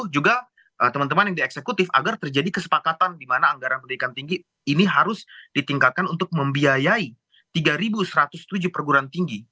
juga teman teman yang di eksekutif agar terjadi kesepakatan di mana anggaran pendidikan tinggi ini harus ditingkatkan untuk membiayai tiga satu ratus tujuh perguruan tinggi